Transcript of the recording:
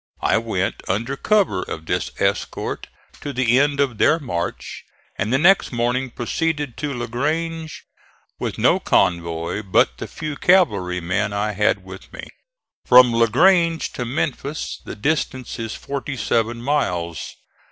I went under cover of this escort to the end of their march, and the next morning proceeded to La Grange with no convoy but the few cavalry men I had with me. From La Grange to Memphis the distance is forty seven miles.